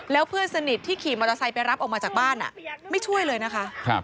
แล้วเพื่อนสนิทที่ขี่มอเตอร์ไซค์ไปรับออกมาจากบ้านไม่ช่วยเลยนะคะ